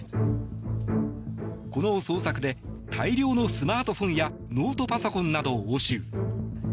この捜索で大量のスマートフォンやノートパソコンなどを押収。